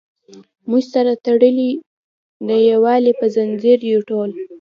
موږ سره تړلي د یووالي په زنځیر یو ټول.